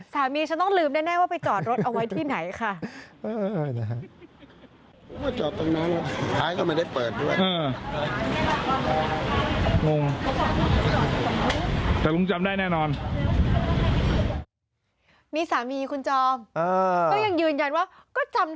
ฉันต้องลืมแน่ว่าไปจอดรถเอาไว้ที่ไหนค่ะ